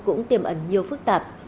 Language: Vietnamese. cũng tiềm ẩn nhiều phức tạp